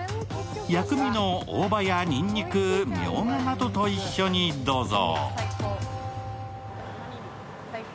薬味の大葉やにんにく、みょうがなどと一緒にどうぞ。